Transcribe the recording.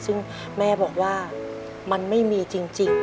ซึ่งแม่บอกว่ามันไม่มีจริง